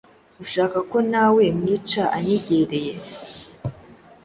ushaka ko na we mwica anyegere